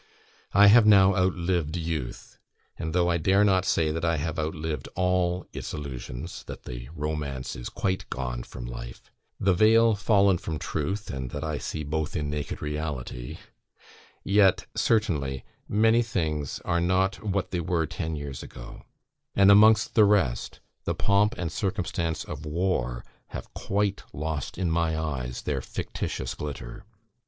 I have now out lived youth; and, though I dare not say that I have outlived all its illusions that the romance is quite gone from life the veil fallen from truth, and that I see both in naked reality yet, certainly, many things are not what they were ten years ago: and, amongst the rest, the pomp and circumstance of war have quite lost in my eyes their fictitious glitter.